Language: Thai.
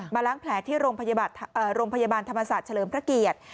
ล้างแผลที่โรงพยาบาลธรรมศาสตร์เฉลิมพระเกียรติ